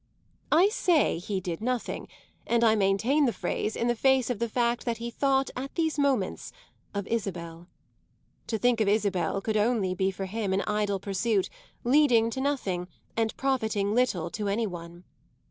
I say he did nothing, and I maintain the phrase in the face of the fact that he thought at these moments of Isabel. To think of Isabel could only be for him an idle pursuit, leading to nothing and profiting little to any one.